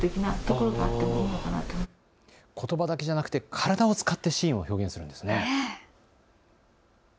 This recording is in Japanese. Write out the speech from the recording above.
ことばだけじゃなくて体を使ってシーンを表現するんですね。